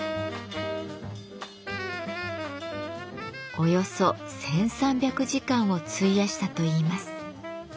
およそ１，３００時間を費やしたといいます。